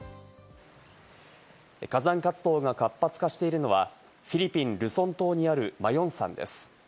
火山活動が活発化しているのはフィリピン・ルソン島にあるマヨン山です。